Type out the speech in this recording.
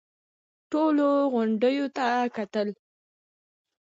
ټولو غونډيو ته کتل.